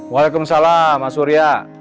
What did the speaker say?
waalaikumsalam mas surya